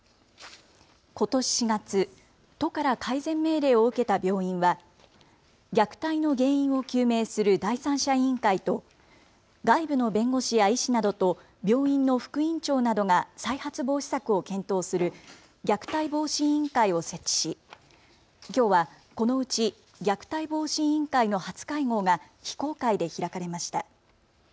ことし４月、都から改善命令を受けた病院は虐待の原因を究明する第三者委員会と外部の弁護士や医師などと病院の副院長などが再発防止策を検討する虐待防止委員会を設置しきょうはこのうち虐待防止委員会の初会合が非公開で開かれました。